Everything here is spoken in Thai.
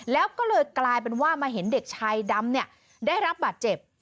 แล้วก็เลยกลายเป็นว่ามาเห็นเด็กชายดำเนี่ยได้รับบาดเจ็บ